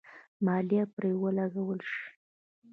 مالیه پرې ولګول شي.